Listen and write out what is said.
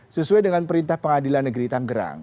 sesuai dengan perintah pengadilan negeri tanggerang